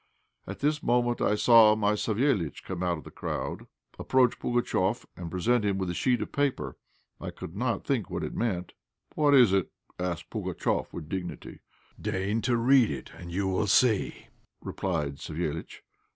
At this moment I saw my Savéliitch come out of the crowd, approach Pugatchéf, and present him with a sheet of paper. I could not think what it all meant. "What is it?" asked Pugatchéf, with dignity. "Deign to read it, and you will see," replied Savéliitch.